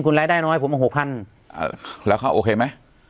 คุณรายได้น้อยผมมาหกพันแล้วเขาโอเคไหม